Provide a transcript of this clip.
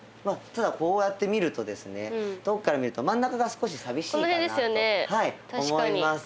ただこうやって見るとですね遠くから見ると真ん中が少し寂しいかなと思います。